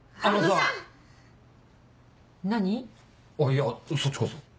いやそっちこそ。